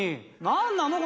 何なの？